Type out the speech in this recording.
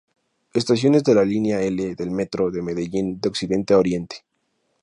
Estaciones de la Linea L del Metro de Medellín de occidente a oriente.